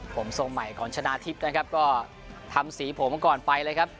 ผมทรงใหม่ของชนะทิพย์นะครับก็ทำสีผมก่อนไปเลยครับ